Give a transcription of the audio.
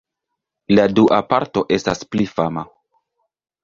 La dua parto estas pli fama.